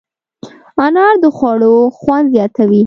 انار د خوړو خوند زیاتوي.